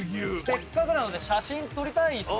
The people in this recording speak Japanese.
せっかくなので写真撮りたいっすよね？